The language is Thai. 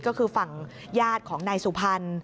ก็คือฝั่งญาติของนายสุพรรณ